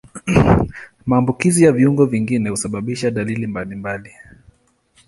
Maambukizi ya viungo vingine husababisha dalili mbalimbali.